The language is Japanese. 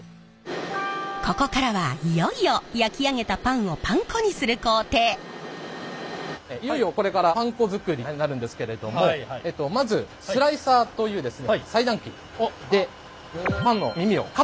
ここからはいよいよ焼き上げたパンをいよいよこれからパン粉作りになるんですけれどもまずスライサーという裁断機でパンの耳をカットしていきます。